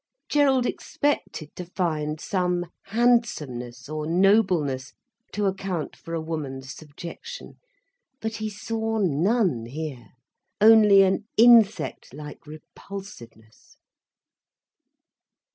Gerald expected to find some handsomeness or nobleness, to account for a woman's subjection. But he saw none here, only an insect like repulsiveness.